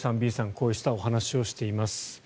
こうしたお話をしています。